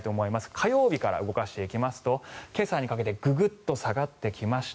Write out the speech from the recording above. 火曜日から動かしていきますと今朝にかけてググッと下がってきました。